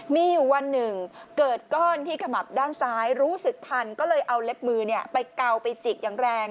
มีอยู่วันหนึ่งเกิดก้อนที่ขมับด้านซ้ายรู้สึกทันก็เลยเอาเล็บมือไปเกาไปจิกอย่างแรง